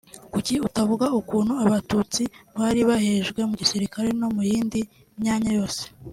Kuki atavuga ukuntu abatutsi bali barahejwe mu gisilikare no muyindi myanya yose